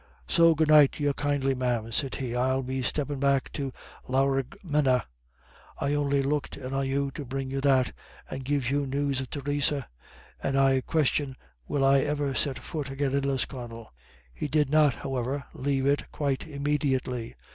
"So good night to you kindly, ma'am," said he. "I'll be steppin' back to Laraghmena. I on'y looked in on you to bring you that, and give you news of Theresa. And I question will I ever set fut agin in Lisconnel." He did not, however, leave it quite immediately.